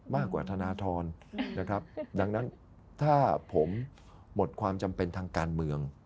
มากกว่าธนทรนะครับดังนั้นถ้าผมหมดความจำเป็นทางการเมือง